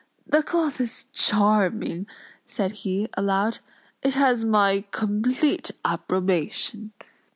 the cloth is charming," said he, aloud. "It has my complete approbation."